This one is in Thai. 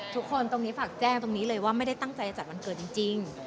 ตรงนี้ฝากแจ้งตรงนี้เลยว่าไม่ได้ตั้งใจจะจัดวันเกิดจริง